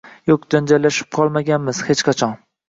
Yo`q, janjallashib qolmaganmiz hech qachon